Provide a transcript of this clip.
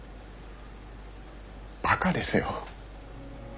バカですよ。